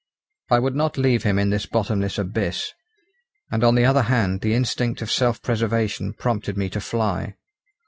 I would not leave him in this bottomless abyss, and on the other hand the instinct of self preservation prompted me to fly.